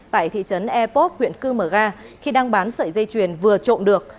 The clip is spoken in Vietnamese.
tại thị trấn e pop huyện cư mở ga khi đang bán sợi dây chuyền vừa trộm được